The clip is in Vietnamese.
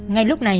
ngay lúc này